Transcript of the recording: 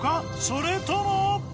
それとも！？